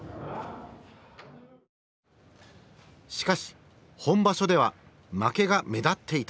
しかし本場所では負けが目立っていた。